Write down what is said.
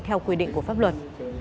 theo quy định của pháp luật